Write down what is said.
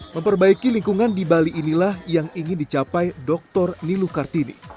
memperbaiki lingkungan di bali inilah yang ingin dicapai dr niluh kartini